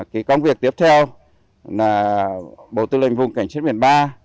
cái công việc tiếp theo là bộ tư lệnh vùng cảnh sát biển ba